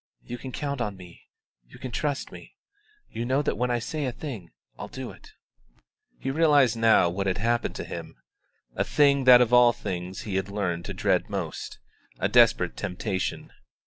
You can count on me. You can trust me. You know that when I say a thing I'll do it." He realised now what had happened to him a thing that of all things he had learned to dread most, a desperate temptation.